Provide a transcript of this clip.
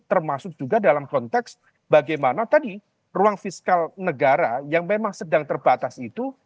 termasuk juga dalam konteks bagaimana tadi ruang fiskal negara yang memang sedang terbatas itu